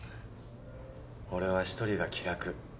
俺は１人が気楽。